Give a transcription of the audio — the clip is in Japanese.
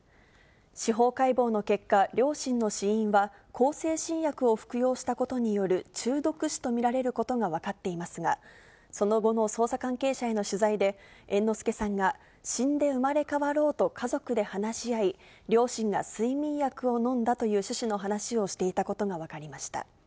司法解剖の結果、両親の死因は向精神薬を服用したことによる中毒死と見られることが分かっていますが、その後の捜査関係者への取材で、猿之助さんが、死んで生まれ変わろうと、家族で話し合い、両親が睡眠薬を飲んだという趣旨の話をしていたことが分かりました。